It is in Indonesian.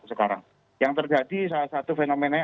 sekarang yang terjadi salah satu fenomena